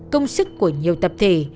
công sức của nhiều tập thể